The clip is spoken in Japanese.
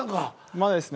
まだですね。